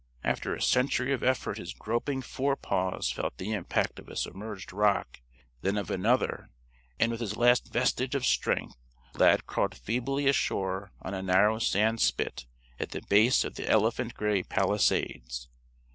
After a century of effort his groping forepaws felt the impact of a submerged rock, then of another, and with his last vestige of strength Lad crawled feebly ashore on a narrow sandspit at the base of the elephant gray Palisades.